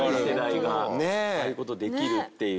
ああいう事できるっていう。